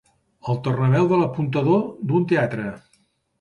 El tornaveu de l'apuntador d'un teatre.